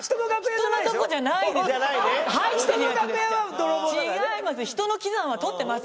違います。